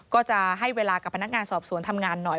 ก็จะให้เวลากับพนักงานสอบสวนทำงานหน่อย